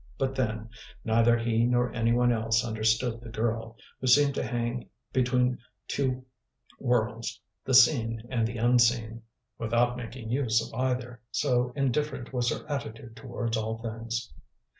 But, then, neither he nor anyone else understood the girl, who seemed to hang between two worlds, the Seen and the Unseen, without making use of either, so indifferent was her attitude towards all things.